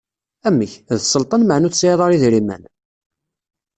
Amek, d sselṭan meɛna ur tesɛiḍ ara idrimen?